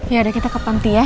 ya ada kita ke panti ya